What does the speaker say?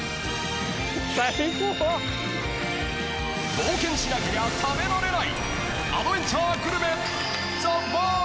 ［冒険しなけりゃ食べられない！］